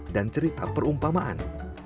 dan cerita perumpamaan